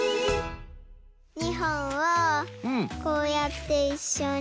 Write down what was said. ２ほんをこうやっていっしょに。